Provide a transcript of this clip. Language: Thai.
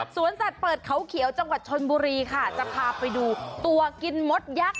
สวนสัตว์เปิดเขาเขียวจังหวัดชนบุรีค่ะจะพาไปดูตัวกินมดยักษ์